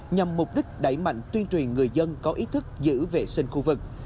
nhằm mục đích đẩy mạnh tuyên truyền người dân có ý thức giữ vệ sinh khu vực